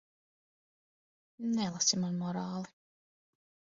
Nelasi man morāli.